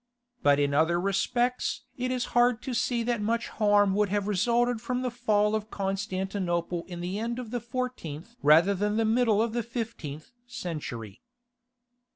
But in other respects it is hard to see that much harm would have resulted from the fall of Constantinople in the end of the fourteenth rather than the middle of the fifteenth century.